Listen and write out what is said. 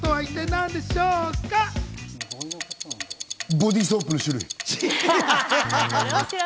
ボディソープの種類。